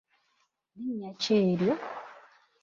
Linnya ki eryo?